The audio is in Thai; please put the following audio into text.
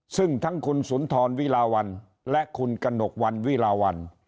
ซึ่งทั้งคุณสุนทรวีราวัลและคุณกระสนกรวรรณวีราวัล